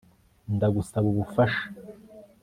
Ndagusaba ubufasha